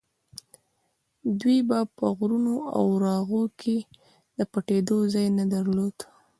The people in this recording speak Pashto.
دوی به په غرونو او راغو کې د پټېدو ځای نه درلود.